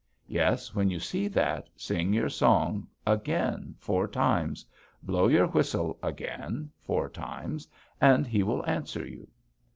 Yes, when you see that, sing your song again four times; blow your whistle again four times, and he will answer you.'